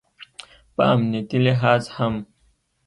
په امنیتي لحاظ هم